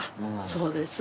そうです。